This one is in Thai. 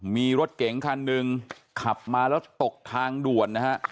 มีรถเก๋งคันหนึ่งขับมาแล้วตกทางด่วนนะฮะ